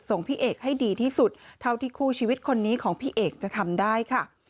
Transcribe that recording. พี่เอกให้ดีที่สุดเท่าที่คู่ชีวิตคนนี้ของพี่เอกจะทำได้ค่ะ